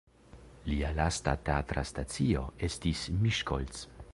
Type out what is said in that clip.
Lia lasta teatra stacio estis Miskolc.